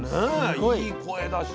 いい声だし。